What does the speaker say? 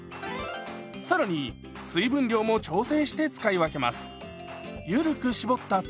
更に水分量も調整して使い分けます。